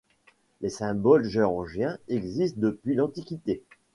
Les symboles géorgiens existent depuis l'Antiquité.